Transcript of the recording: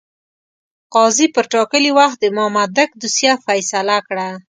قاضي پر ټاکلي وخت د مامدک دوسیه فیصله کړه.